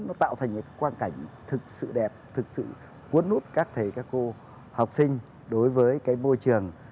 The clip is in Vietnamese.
nó tạo thành một quan cảnh thực sự đẹp thực sự cuốn hút các thầy các cô học sinh đối với cái môi trường